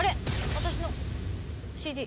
私のＣＤ。